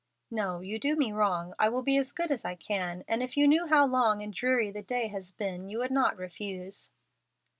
"Now you do me wrong. I will be as good as I can, and if you knew how long and dreary the day has been you would not refuse."